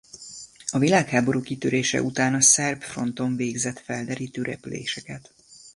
A világháború kitörése után a szerb fronton végzett felderítő repüléseket.